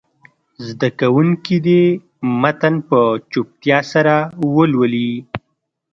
زده کوونکي دې متن په چوپتیا سره ولولي.